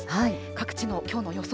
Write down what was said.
各地のきょうの予想